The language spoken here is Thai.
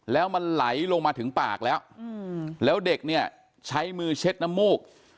แล้วมันไหลลงมาถึงปากแล้วแล้วเด็กเนี่ยใช้มือเช็ดน้ำมูก